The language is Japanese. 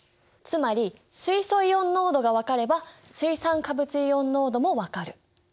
つまり水素イオン濃度が分かれば水酸化物イオン濃度も分かる。